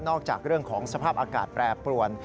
จากเรื่องของสภาพอากาศแปรปรวน